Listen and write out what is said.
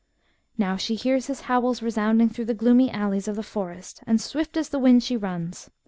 Now she hears his howls resounding through the gloomy alleys of the forest, and swift as the wind she runs.